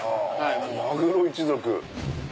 マグロ一族！